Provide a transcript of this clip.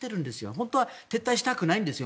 本当は撤退したくないんですよ。